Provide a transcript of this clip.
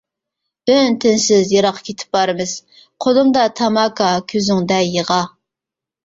ئۈن-تىنسىز يىراققا كېتىپ بارىمىز، قۇلۇمدا تاماكا، كۆزۈڭدە يىغا.